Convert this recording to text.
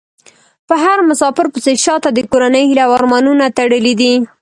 په هر مسافر پسې شا ته د کورنۍ هيلې او ارمانونه تړلي دي .